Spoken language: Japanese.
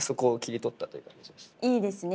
いいですね。